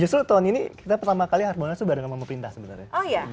justru tahun ini kita pertama kali harbolnas tuh bareng sama pemerintah sebenarnya